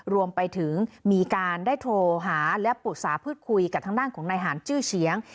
รวมไปถึงมีการได้โทรหาและปรึกษาพูดคุยกับทางด้านของนายหารจื้อเฉียง